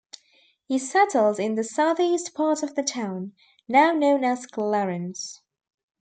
He settled in the southeast part of the town, now known as Clarence.